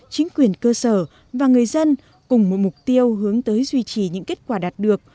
chính quyền cơ sở và người dân cùng một mục tiêu hướng tới duy trì những kết quả đạt được